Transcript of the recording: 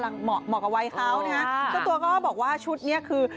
ก็ตัวก็บอกว่าชุดนี้คือ